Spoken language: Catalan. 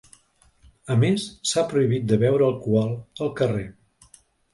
A més, s’ha prohibit de beure alcohol al carrer.